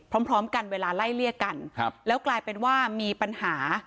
พร้อมกันเวลาไล่เลียกกันแล้วกลายเป็นว่ามีปัญหา